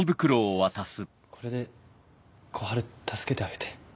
これで小春助けてあげて。